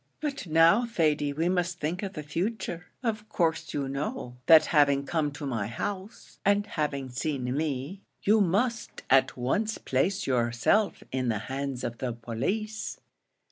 But now, Thady, we must think of the future; of course you know, that having come to my house, and having seen me, you must at once place yourself in the hands of the police."